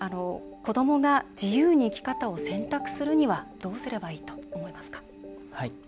子どもが自由に生き方を選択するにはどうすればいいと思いますか？